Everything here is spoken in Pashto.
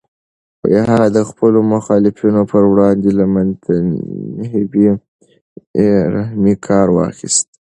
هغه د خپلو مخالفینو پر وړاندې له منتهی بې رحمۍ کار واخیست.